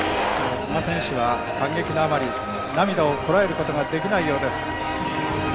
古賀選手は感激のあまり、涙をこらえることができないようです。